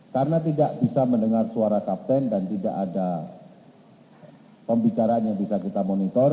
karena tidak bisa mendengar suara kapten dan tidak ada pembicaraan yang bisa kita monitor